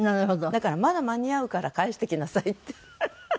だから「まだ間に合うから返してきなさい」って。